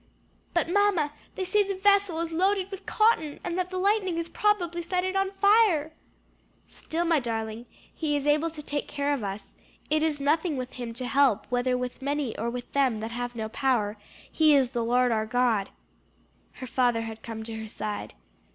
"But mamma they say the vessel is loaded with cotton, and that the lightning has probably set it on fire." "Still, my darling, he is able to take care of us; 'it is nothing with him to help whether with many or with them that have no power;' he is the Lord our God." Her father had come to her side.